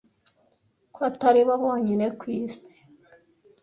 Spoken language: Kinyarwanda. ko atari bo bonyine ku isi